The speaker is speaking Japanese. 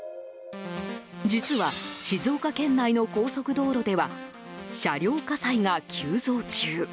実は、静岡県内の高速道路では車両火災が急増中。